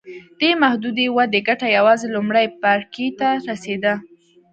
دې محدودې ودې ګټه یوازې لومړي پاړکي ته رسېده.